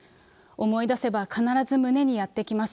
思い出せば必ず胸にやって来ます。